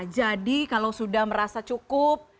jadi kalau sudah merasa cukup